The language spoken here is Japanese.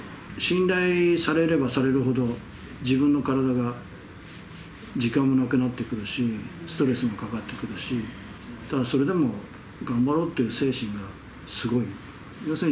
信頼されればされるほど、自分の体が時間もなくなってくるし、ストレスもかかってくるし、ただ、それでも頑張ろうっていう精神がすごいな。